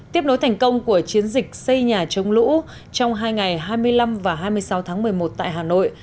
tiếp nối thành công của chiến dịch xây nhà chống lũ trong hai ngày hai mươi năm và hai mươi sáu tháng một mươi một tại hà nội